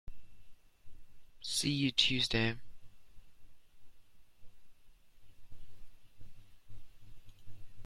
See you Tuesday!